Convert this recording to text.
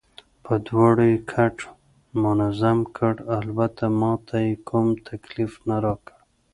په دواړو یې کټ منظم کړ، البته ما ته یې کوم تکلیف نه راکړ.